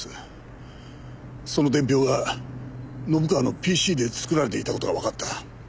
その伝票が信川のＰＣで作られていた事がわかった。